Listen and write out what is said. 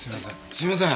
すいません。